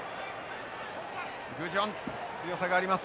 グジウォン強さがあります。